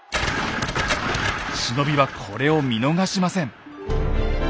忍びはこれを見逃しません。